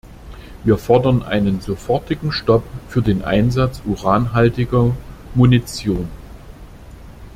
Wir fordern einen sofortigen Stopp für den Einsatz uranhaltiger Munition!